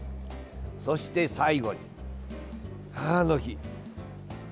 そして最後に、母の日。